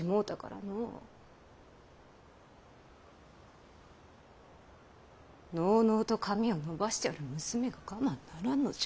のうのうと髪を伸ばしておる娘が我慢ならんのじゃ。